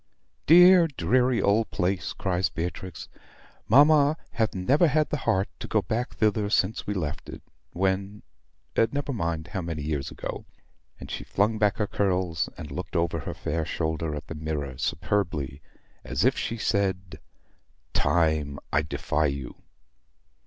"Dear, dreary old place!" cries Beatrix. "Mamma hath never had the heart to go back thither since we left it, when never mind how many years ago." And she flung back her curls, and looked over her fair shoulder at the mirror superbly, as if she said, "Time, I defy you."